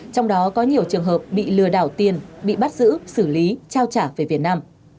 trong đó có nhiều trường hợp bị lừa đảo tiền bị bắt giữ xử lý trao trả về việt nam